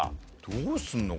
どうすんの？